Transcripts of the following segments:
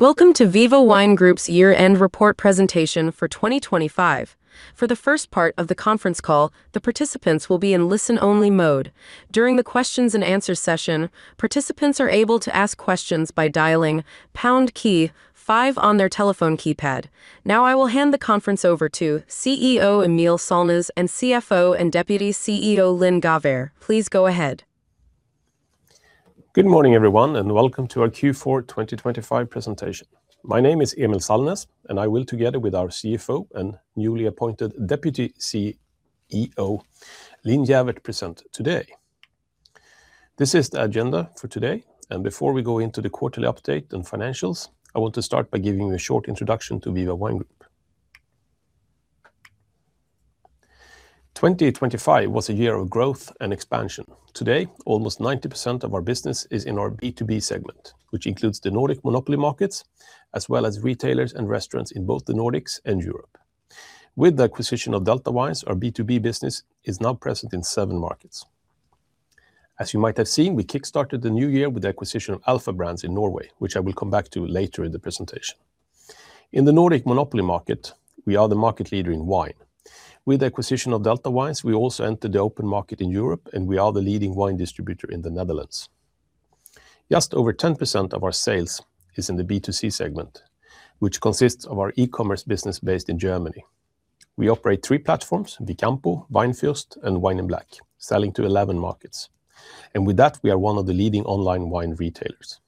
Welcome to Viva Wine Group's year-end report presentation for 2025. For the first part of the conference call, the participants will be in listen-only mode. During the questions-and-answer session, participants are able to ask questions by dialing # key 5 on their telephone keypad. Now, I will hand the conference over to CEO Emil Sallnäs and CFO and Deputy CEO, Linn Gäfvert. Please go ahead. Good morning, everyone, and welcome to our Q4 2025 presentation. My name is Emil Sallnäs, and I will, together with our CFO and newly appointed Deputy CEO, Linn Gäfvert, present today. This is the agenda for today, and before we go into the quarterly update and financials, I want to start by giving you a short introduction to Viva Wine Group. 2025 was a year of growth and expansion. Today, almost 90% of our business is in our B2B segment, which includes the Nordic monopoly markets, as well as retailers and restaurants in both the Nordics and Europe. With the acquisition of Delta Wines, our B2B business is now present in seven markets. As you might have seen, we kickstarted the new year with the acquisition of Alpha Brands in Norway, which I will come back to later in the presentation. In the Nordic monopoly market, we are the market leader in wine. With the acquisition of Delta Wines, we also entered the open market in Europe, and we are the leading wine distributor in the Netherlands. Just over 10% of our sales is in the B2C segment, which consists of our e-commerce business based in Germany. We operate three platforms: Vicampo, Weinfürst, and Wine in Black, selling to 11 markets. With that, we are one of the leading online wine retailers.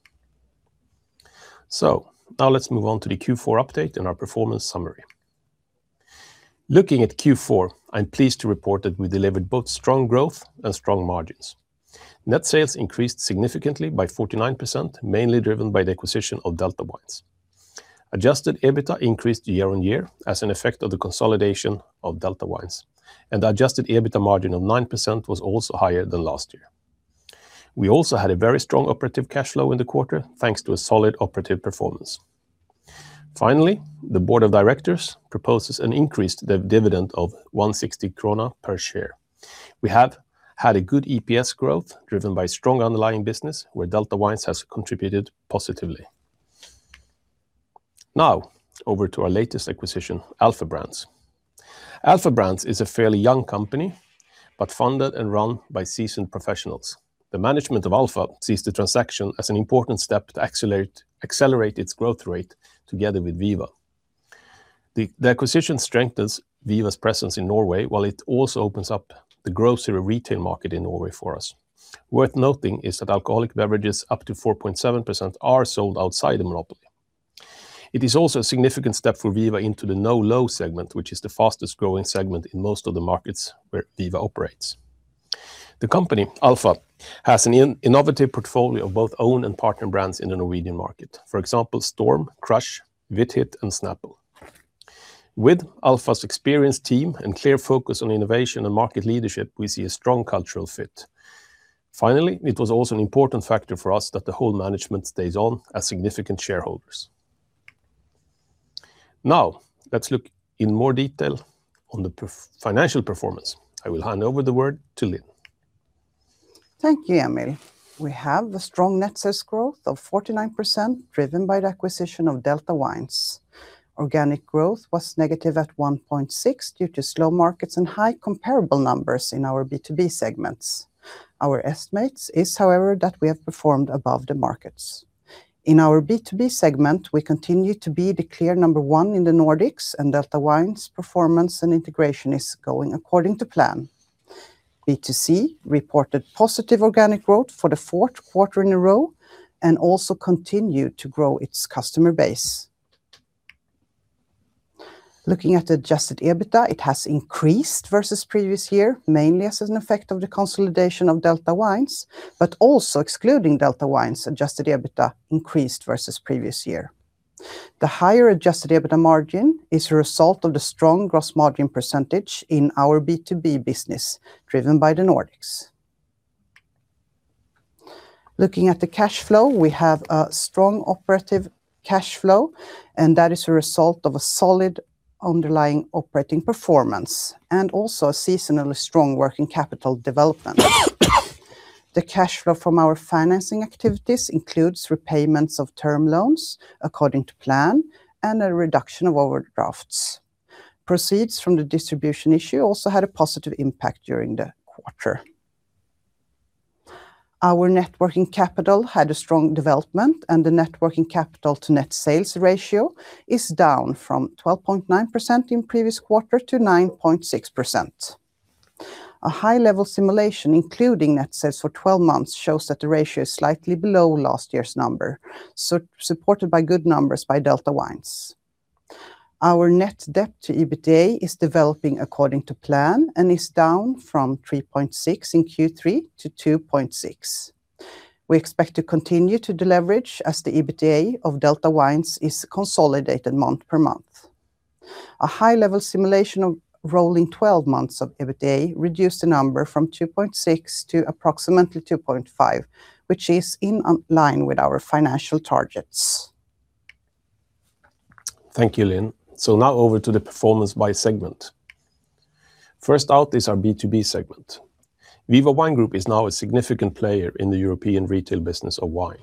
Now let's move on to the Q4 update and our performance summary. Looking at Q4, I'm pleased to report that we delivered both strong growth and strong margins. Net sales increased significantly by 49%, mainly driven by the acquisition of Delta Wines. Adjusted EBITDA increased year-on-year as an effect of the consolidation of Delta Wines, and the adjusted EBITDA margin of 9% was also higher than last year. We also had a very strong operative cash flow in the quarter, thanks to a solid operative performance. Finally, the Board of Directors proposes an increased dividend of 1.60 krona per share. We have had a good EPS growth, driven by strong underlying business, where Delta Wines has contributed positively. Now, over to our latest acquisition, Alpha Brands. Alpha Brands is a fairly young company but funded and run by seasoned professionals. The management of Alpha sees the transaction as an important step to accelerate its growth rate together with Viva. The acquisition strengthens Viva's presence in Norway, while it also opens up the grocery retail market in Norway for us. Worth noting is that alcoholic beverages up to 4.7% are sold outside the monopoly. It is also a significant step for Viva into the NoLo segment, which is the fastest growing segment in most of the markets where Viva operates. The company, Alpha, has an innovative portfolio of both own and partner brands in the Norwegian market. For example, Storm, Crush, VitHit, and Snapple. With Alpha's experienced team and clear focus on innovation and market leadership, we see a strong cultural fit. Finally, it was also an important factor for us that the whole management stays on as significant shareholders. Now, let's look in more detail on the financial performance. I will hand over the word to Linn. Thank you, Emil. We have a strong net sales growth of 49%, driven by the acquisition of Delta Wines. Organic growth was negative at 1.6, due to slow markets and high comparable numbers in our B2B segments. Our estimates is, however, that we have performed above the markets. In our B2B segment, we continue to be the clear number one in the Nordics, and Delta Wines' performance and integration is going according to plan. B2C reported positive organic growth for the fourth quarter in a row and also continued to grow its customer base. Looking at adjusted EBITDA, it has increased versus previous year, mainly as an effect of the consolidation of Delta Wines, but also excluding Delta Wines, adjusted EBITDA increased versus previous year. The higher adjusted EBITDA margin is a result of the strong gross margin percentage in our B2B business, driven by the Nordics. Looking at the cash flow, we have a strong operative cash flow, and that is a result of a solid underlying operating performance and also a seasonally strong working capital development. The cash flow from our financing activities includes repayments of term loans according to plan and a reduction of overdrafts. Proceeds from the distribution issue also had a positive impact during the quarter. Our net working capital had a strong development, and the net working capital to net sales ratio is down from 12.9% in previous quarter to 9.6%. A high-level simulation, including net sales for 12 months, shows that the ratio is slightly below last year's number, so supported by good numbers by Delta Wines. Our net debt to EBITDA is developing according to plan and is down from 3.6x in Q3 to 2.6x. We expect to continue to deleverage as the EBITDA of Delta Wines is consolidated month per month. A high-level simulation of rolling 12 months of EBITDA reduced the number from 2.6 to approximately 2.5, which is in line with our financial targets. Thank you, Linn. Now over to the performance by segment. First out is our B2B segment. Viva Wine Group is now a significant player in the European retail business of wine.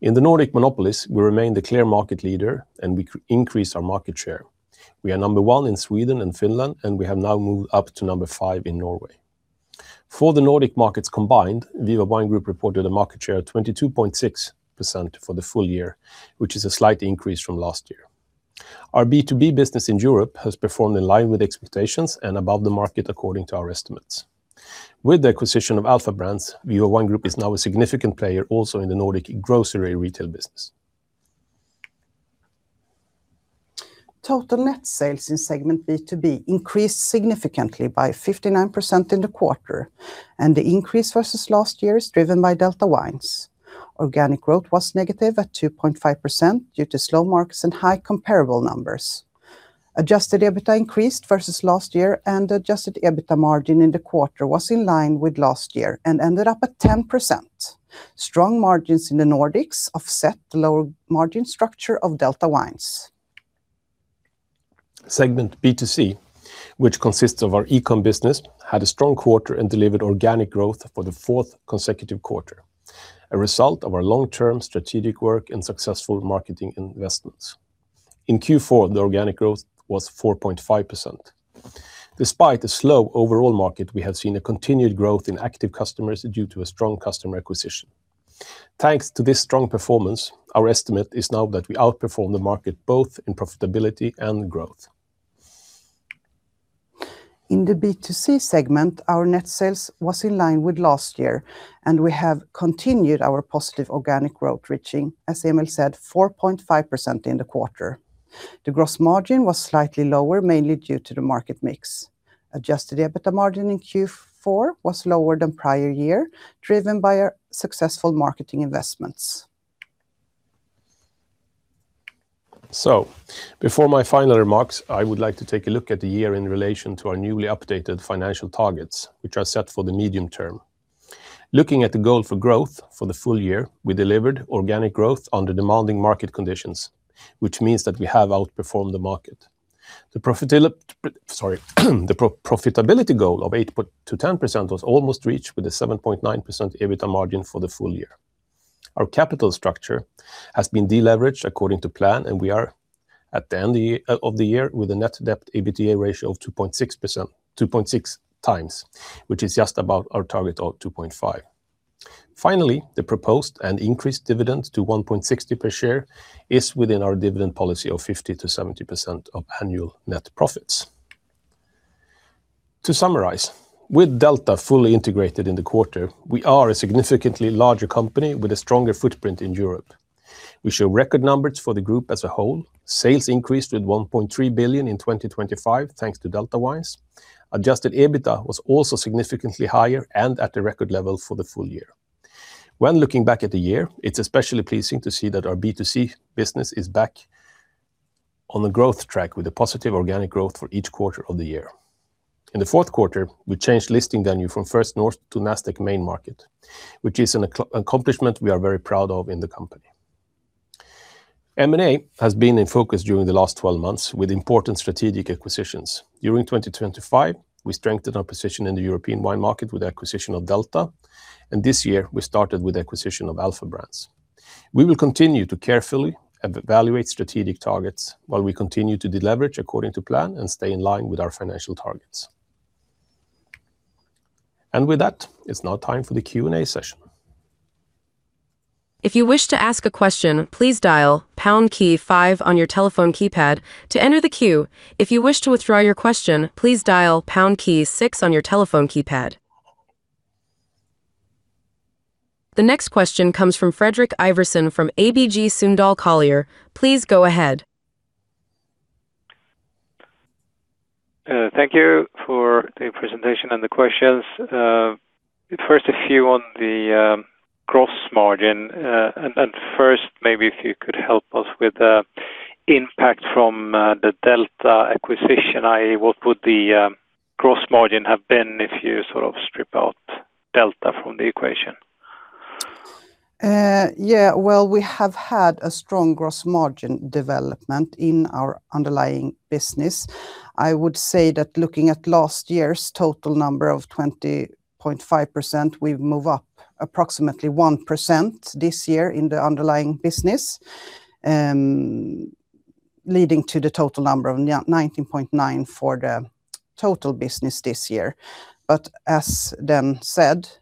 In the Nordic monopolies, we remain the clear market leader, and we increase our market share. We are number one in Sweden and Finland, and we have now moved up to number five in Norway. For the Nordic markets combined, Viva Wine Group reported a market share of 22.6% for the full year, which is a slight increase from last year. Our B2B business in Europe has performed in line with expectations and above the market, according to our estimates. With the acquisition of Alpha Brands, Viva Wine Group is now a significant player also in the Nordic grocery retail business. Total net sales in segment B2B increased significantly by 59% in the quarter, and the increase versus last year is driven by Delta Wines. Organic growth was negative at 2.5% due to slow markets and high comparable numbers. Adjusted EBITDA increased versus last year, and adjusted EBITDA margin in the quarter was in line with last year and ended up at 10%. Strong margins in the Nordics offset the lower margin structure of Delta Wines. Segment B2C, which consists of our e-com business, had a strong quarter and delivered organic growth for the fourth consecutive quarter, a result of our long-term strategic work and successful marketing investments. In Q4, the organic growth was 4.5%. Despite the slow overall market, we have seen a continued growth in active customers due to a strong customer acquisition. Thanks to this strong performance, our estimate is now that we outperform the market, both in profitability and growth. In the B2C segment, our net sales was in line with last year, and we have continued our positive organic growth, reaching, as Emil said, 4.5% in the quarter. The gross margin was slightly lower, mainly due to the market mix. Adjusted EBITDA margin in Q4 was lower than prior year, driven by our successful marketing investments. Before my final remarks, I would like to take a look at the year in relation to our newly updated financial targets, which are set for the medium term. Looking at the goal for growth for the full year, we delivered organic growth under demanding market conditions, which means that we have outperformed the market. The profitability goal of 8%-10% was almost reached, with a 7.9% EBITDA margin for the full year. Our capital structure has been deleveraged according to plan, and we are at the end of the year, with a net debt EBITDA ratio of 2.6x, which is just about our target of 2.5. Finally, the proposed and increased dividend to 1.60 per share is within our dividend policy of 50%-70% of annual net profits. To summarize, with Delta fully integrated in the quarter, we are a significantly larger company with a stronger footprint in Europe. We show record numbers for the group as a whole. Sales increased with 1.3 billion in 2025, thanks to Delta Wines. Adjusted EBITDA was also significantly higher and at a record level for the full year. When looking back at the year, it's especially pleasing to see that our B2C business is back on the growth track with a positive organic growth for each quarter of the year. In the fourth quarter, we changed listing venue from First North to Nasdaq Main Market, which is an accomplishment we are very proud of in the company. M&A has been in focus during the last 12 months, with important strategic acquisitions. During 2025, we strengthened our position in the European wine market with the acquisition of Delta, and this year we started with the acquisition of Alpha Brands. We will continue to carefully evaluate strategic targets while we continue to deleverage according to plan and stay in line with our financial targets. With that, it's now time for the Q&A session. If you wish to ask a question, please dial # key 5 on your telephone keypad to enter the queue. If you wish to withdraw your question, please dial # key 6 on your telephone keypad. The next question comes from Fredrik Ivarsson, from ABG Sundal Collier. Please go ahead. Thank you for the presentation and the questions. First, a few on the gross margin. First, maybe if you could help us with the impact from the Delta acquisition i.e., what would the gross margin have been if you sort of strip out Delta from the equation? but no monetary amounts are present here. 7. **Punctuation**: Use periods and commas. No em dashes or semicolons. 8. **Glossary**: Check names. "Dan" is mentioned in the transcript but not in the glossary. I will keep "Dan" as spoken. **Step-by-step processing:** - "Uh, yeah, well, we have had a strong gross margin development in our underlying business." - Remove "Uh". - "Yeah, well, we have had a strong gross margin development in our underlying business." - "I would say tha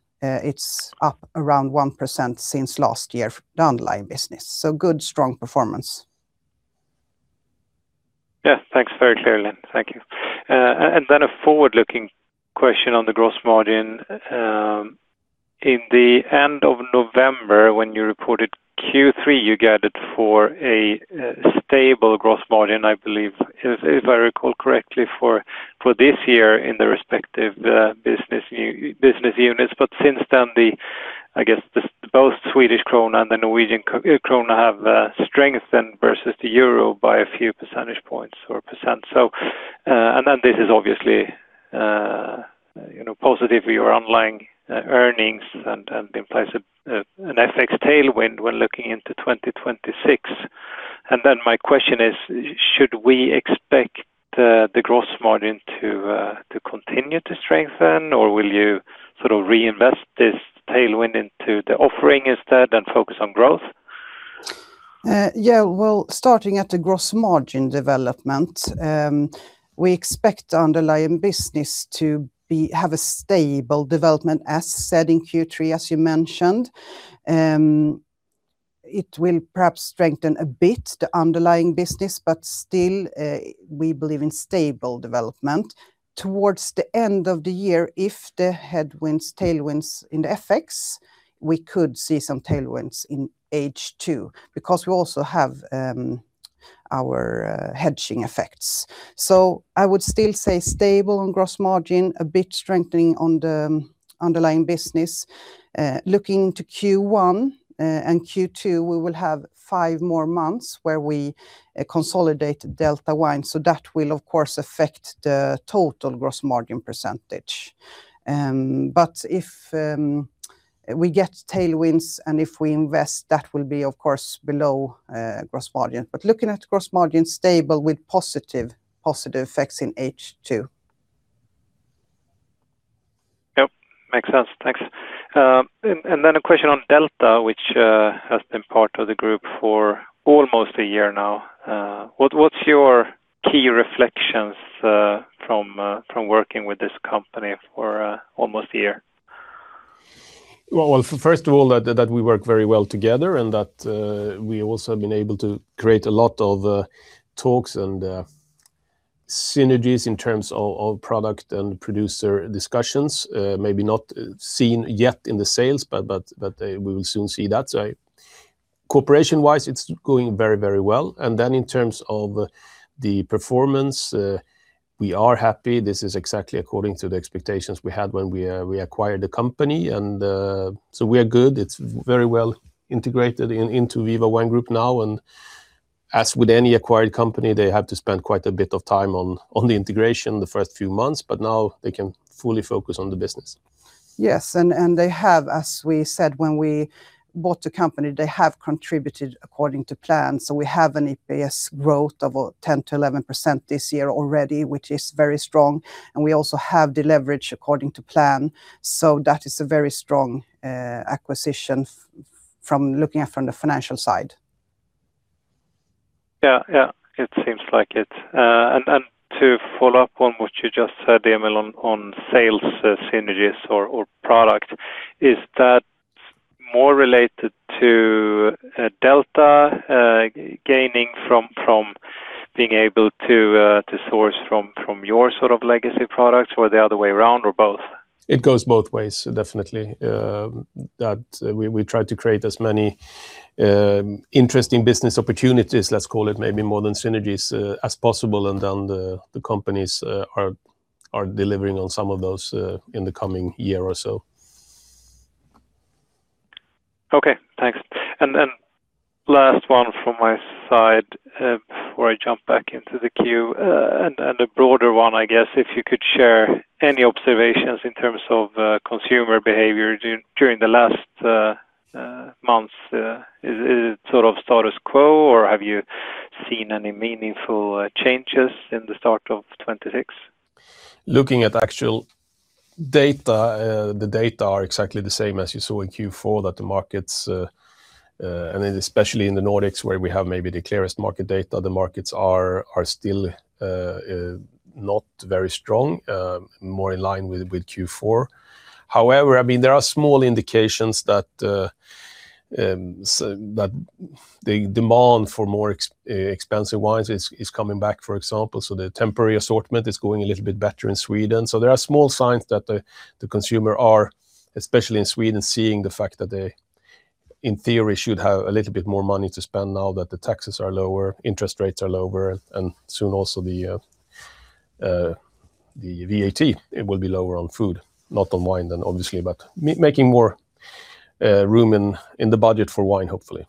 Yeah. Thanks. Very clear, Linn. Thank you. A forward-looking question on the gross margin. In the end of November, when you reported Q3, you guided for a stable gross margin, I believe, if I recall correctly, for this year in the respective business units. Since then, I guess, both Swedish krona and the Norwegian krona have strengthened versus the euro by a few percentage points or %. This is obviously, you know, positive for your underlying earnings and implies an FX tailwind when looking into 2026. My question is, should we expect the gross margin to continue to strengthen, or will you sort of reinvest this tailwind into the offering instead, and focus on growth? Yeah, well, starting at the gross margin development, we expect underlying business to have a stable development, as said in Q3, as you mentioned. It will perhaps strengthen a bit, the underlying business, but still, we believe in stable development. Towards the end of the year, if the headwinds, tailwinds in the FX, we could see some tailwinds in H2, because we also have our hedging effects. I would still say stable on gross margin, a bit strengthening on the underlying business. Looking to Q1 and Q2, we will have five more months where we consolidate Delta Wines. That will, of course, affect the total gross margin percentage. If we get tailwinds and if we invest, that will be, of course, below gross margin. Looking at gross margin, stable with positive effects in H2. Yep. Makes sense. Thanks. A question on Delta, which has been part of the group for almost a year now. What's your key reflections from working with this company for almost a year? Well, well, first of all, that we work very well together and that we also have been able to create a lot of talks and synergies in terms of product and producer discussions. Maybe not seen yet in the sales, but we will soon see that. Cooperation-wise, it's going very, very well. In terms of the performance, we are happy. This is exactly according to the expectations we had when we acquired the company, and so we are good. It's very well integrated into Viva Wine Group now, and as with any acquired company, they have to spend quite a bit of time on the integration the first few months, but now they can fully focus on the business. Yes, as we said, when we bought the company, they have contributed according to plan, so we have an EPS growth of 10%-11% this year already, which is very strong, and we also have the leverage according to plan. That is a very strong acquisition from looking at it from the financial side. Yeah, yeah. It seems like it. To follow up on what you just said, Emil, on sales synergies or product, is that more related to Delta gaining from being able to source from your sort of legacy products, or the other way around, or both? It goes both ways, definitely. That we try to create as many interesting business opportunities, let's call it, maybe more than synergies, as possible, and then the companies are delivering on some of those in the coming year or so. Okay, thanks. Last one from my side before I jump back into the queue and a broader one, I guess, if you could share any observations in terms of consumer behavior during the last months. Is it sort of status quo, or have you seen any meaningful changes in the start of 2026? Looking at the actual data, the data are exactly the same as you saw in Q4, that, and especially in the Nordics, where we have maybe the clearest market data, the markets are still not very strong, more in line with Q4. However, I mean, there are small indications so that the demand for more expensive wines is coming back, for example, so the temporary assortment is going a little bit better in Sweden. There are small signs that the consumer are, especially in Sweden, seeing the fact that they, in theory, should have a little bit more money to spend now that the taxes are lower, interest rates are lower, and soon also the VAT, it will be lower on food, not on wine then, obviously, but making more room in the budget for wine, hopefully.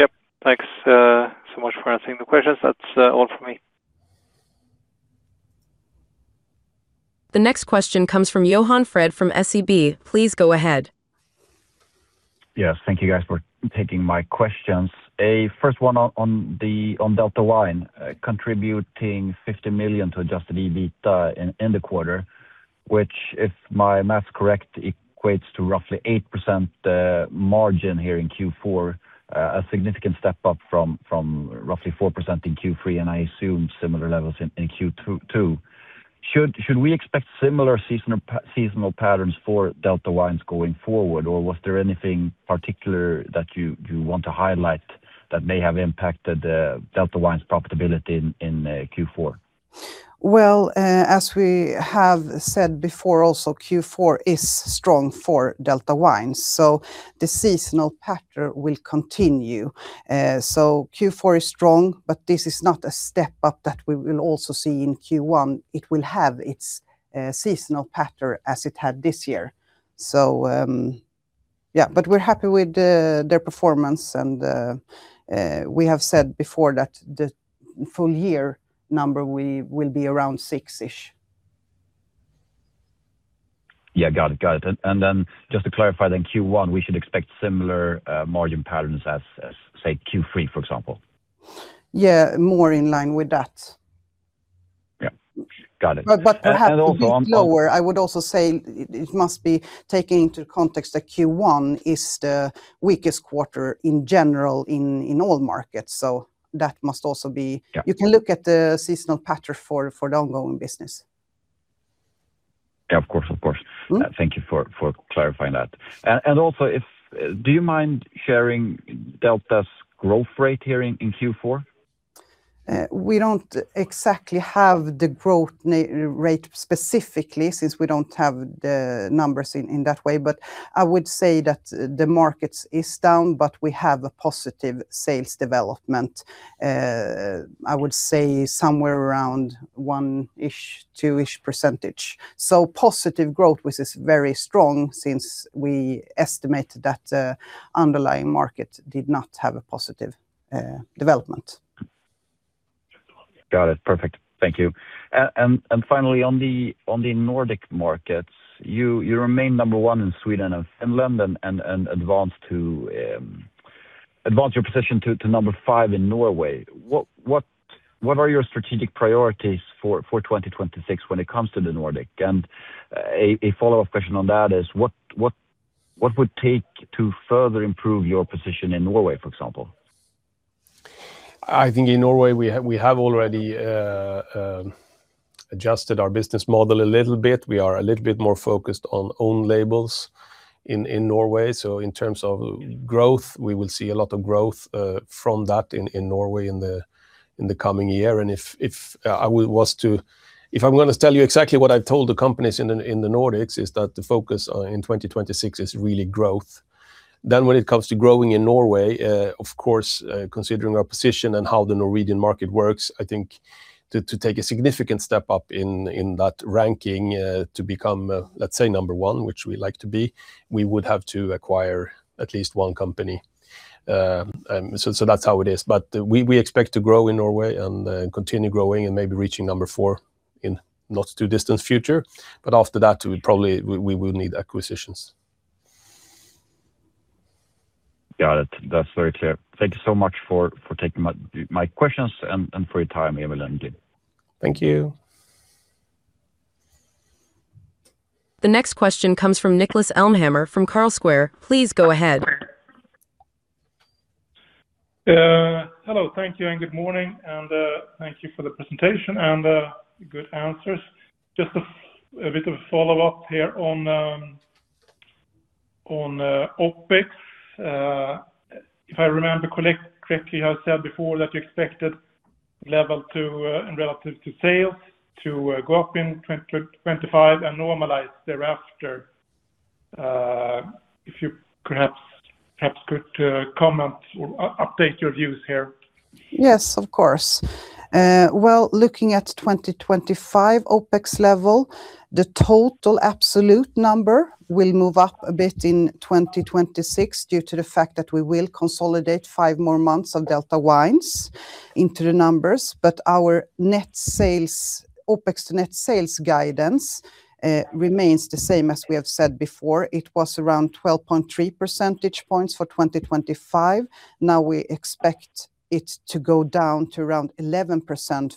Yep. Thanks so much for answering the questions. That's all for me. The next question comes from Johan Fred from SEB. Please go ahead. Yes, thank you guys for taking my questions. A first one on the Delta Wines contributing 50 million to adjusted EBITDA in the quarter, which, if my math is correct, equates to roughly 8% margin here in Q4. A significant step up from roughly 4% in Q3, and I assume similar levels in Q2 too. Should we expect similar seasonal patterns for Delta Wines going forward, or was there anything particular that you want to highlight that may have impacted the Delta Wines profitability in Q4? Well, as we have said before, also Q4 is strong for Delta Wines, so the seasonal pattern will continue. Q4 is strong, but this is not a step up that we will also see in Q1. It will have its seasonal pattern as it had this year. Yeah, but we're happy with their performance, and we have said before that the full year number will be around 6-ish. Yeah, got it, got it. Just to clarify, then Q1, we should expect similar margin patterns as, say, Q3, for example? Yeah, more in line with that. Yeah, got it. But perhaps. Also on- Lower, I would also say it must be taken into context that Q1 is the weakest quarter in general in all markets. That must also be- Yeah. You can look at the seasonal pattern for the ongoing business. Yeah, of course, of course. Mm-hmm. Thank you for clarifying that. Also, do you mind sharing Delta's growth rate here in Q4? We don't exactly have the growth rate specifically since we don't have the numbers in that way. I would say that the markets is down, but we have a positive sales development. I would say somewhere around 1-ish%-2-ish%. Positive growth, which is very strong since we estimated that the underlying market did not have a positive development. Got it. Perfect. Thank you. Finally, on the Nordic markets, you remain number one in Sweden and Finland and advanced your position to number five in Norway. What are your strategic priorities for 2026 when it comes to the Nordic? A follow-up question on that is: what would take to further improve your position in Norway, for example? I think in Norway, we have already adjusted our business model a little bit. We are a little bit more focused on own labels in Norway. In terms of growth, we will see a lot of growth from that in Norway in the coming year. If I'm gonna tell you exactly what I've told the companies in the Nordics, is that the focus in 2026 is really growth. When it comes to growing in Norway, of course, considering our position and how the Norwegian market works, I think to take a significant step up in that ranking to become, let's say, number one, which we like to be, we would have to acquire at least one company. That's how it is. We expect to grow in Norway and continue growing and maybe reaching number four in not too distant future. After that, we probably will need acquisitions. Got it. That's very clear. Thank you so much for taking my questions and for your time, Emil and Linn. Thank you. The next question comes from Niklas Elmhammer from Carlsquare. Please go ahead. Hello, thank you, and good morning, and thank you for the presentation and good answers. Just a bit of a follow-up here on OpEx. If I remember correctly, you have said before that you expected level to and relative to sales to go up in 2025 and normalize thereafter. If you perhaps could comment or update your views here. Yes, of course. Well, looking at 2025 OpEx level, the total absolute number will move up a bit in 2026 due to the fact that we will consolidate five more months of Delta Wines into the numbers. Our net sales, OpEx net sales guidance remains the same as we have said before. It was around 12.3 percentage points for 2025. Now we expect it to go down to around 11%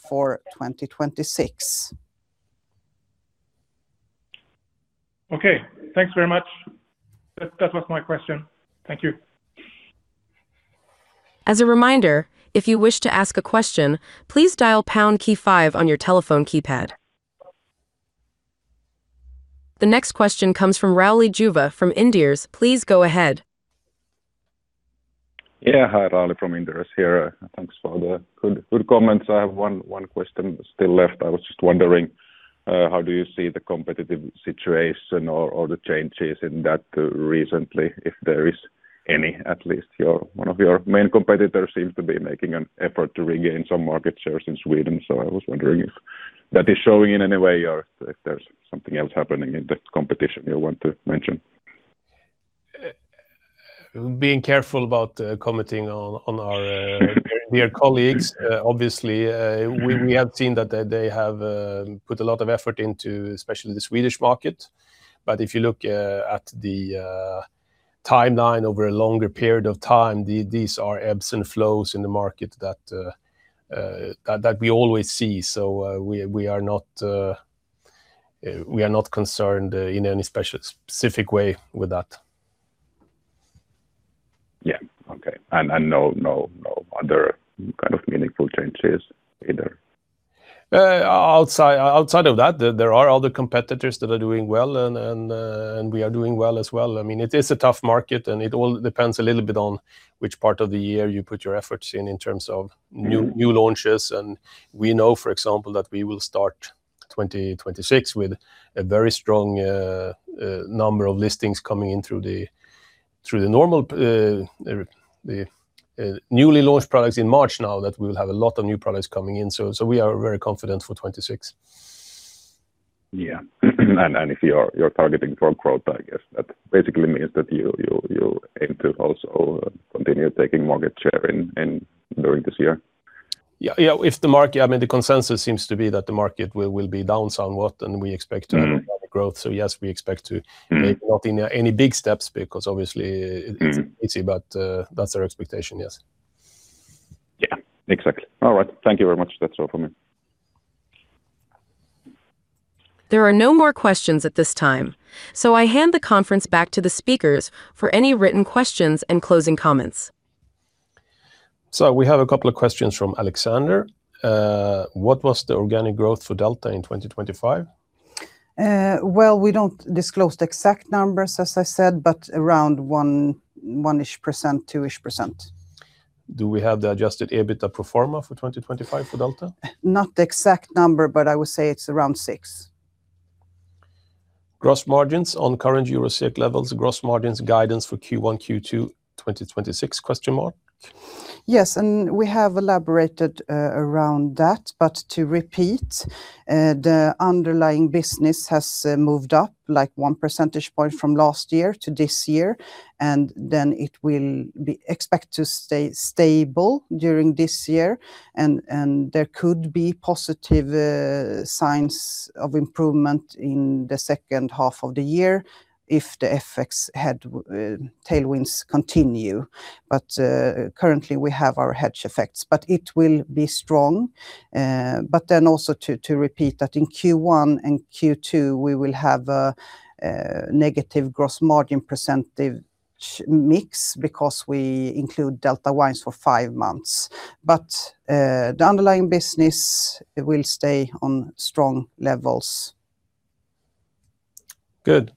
for 2026. Okay, thanks very much. That was my question. Thank you. As a reminder, if you wish to ask a question, please dial pound key 5 on your telephone keypad. The next question comes from Rauli Juva from Inderes. Please go ahead. Yeah. Hi, Rauli from Inderes here. Thanks for the good, good comments. I have one question still left. I was just wondering how do you see the competitive situation or the changes in that recently, if there is any? At least one of your main competitors seems to be making an effort to regain some market shares in Sweden. I was wondering if that is showing in any way or if there's something else happening in the competition you want to mention. Being careful about commenting on our dear colleagues. Obviously, we have seen that they have put a lot of effort into, especially the Swedish market. If you look at the timeline over a longer period of time, these are ebbs and flows in the market that we always see. We are not concerned in any special, specific way with that. Yeah. Okay. No other kind of meaningful changes either? Outside of that, there are other competitors that are doing well, and we are doing well as well. I mean, it is a tough market, and it all depends a little bit on which part of the year you put your efforts in, in terms of new- Mm-hmm We know, for example, that we will start 2026 with a very strong number of listings coming in through the normal newly launched products in March now, that we will have a lot of new products coming in. So, we are very confident for 2026. Yeah. If you're targeting for growth, I guess that basically means that you aim to also continue taking market share during this year? a false start? Yes. Is it meaningless? No. Is "I mean" a filler? Yes. Is "the consensus seems to be that the market will be down somewhat" the final thought? Yes. So, "if the market, I mean, the consensus..." is the correct result. Wait, "So yes, we expec Yeah, exactly. All right. Thank you very much. That's all from me. Wait, I'll check if "for" is a filler. No. * Wait, I'll check if "at" is a filler We have a couple of questions from Alexander. What was the organic growth for Delta in 2025? Well, we don't disclose the exact numbers, as I said, but around 1, 1-ish%, 2-ish%. Do we have the adjusted EBITDA pro forma for 2025 for Delta? Not the exact number, but I would say it's around six. Gross margins on current Euro SEK levels, gross margins guidance for Q1, Q2 2026? Question mark. Yes, and we have elaborated around that. To repeat, the underlying business has moved up like one percentage point from last year to this year, and then it will be expect to stay stable during this year. There could be positive signs of improvement in the second half of the year if the FX tailwinds continue. Currently, we have our hedge effects, but it will be strong. Then also to repeat that in Q1 and Q2, we will have a negative gross margin percentage mix because we include Delta Wines for five months. The underlying business will stay on strong levels. Good.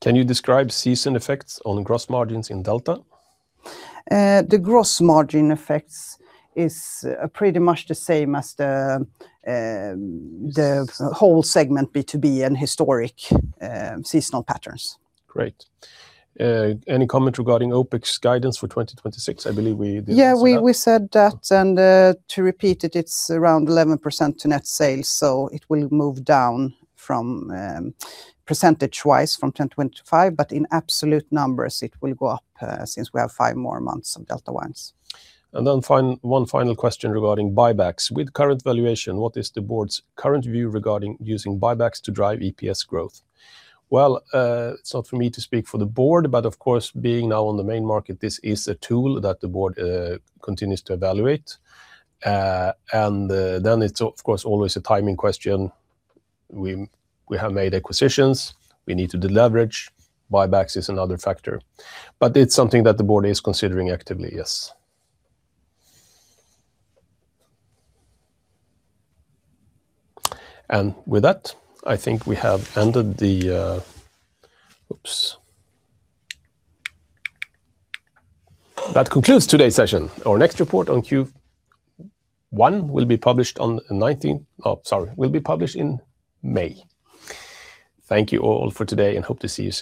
Can you describe season effects on gross margins in Delta? The gross margin effects is pretty much the same as the whole segment B2B and historic seasonal patterns. Great. Any comment regarding OpEx guidance for 2026? I believe we did. Yeah, we said that, and to repeat it, it's around 11% to net sales, so, it will move down percentage-wise from 10.25%, but in absolute numbers, it will go up since we have five more months of Delta Wines. One final question regarding buybacks. With current valuation, what is the board's current view regarding using buybacks to drive EPS growth? Well, it's not for me to speak for the board, but of course, being now on the Main Market, this is a tool that the board continues to evaluate. It's, of course, always a timing question. We have made acquisitions. We need to deleverage. Buybacks is another factor, but it's something that the board is considering actively, yes. With that, I think we have ended the... Oops. That concludes today's session. Our next report on Q1 will be published on the 19th, oh, sorry, will be published in May. Thank you all for today, and hope to see you soon.